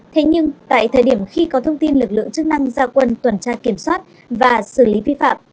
thế nhưng tại thời điểm khi có thông tin lực lượng chức năng gia quân tuần tra kiểm soát và xử lý vi phạm